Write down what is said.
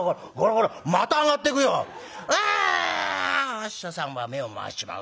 お師匠さんは目を回しちまう。